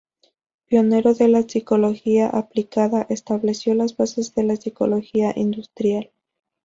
Pionero de la psicología aplicada, estableció las bases de la psicología industrial.